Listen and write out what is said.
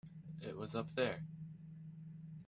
It was up there.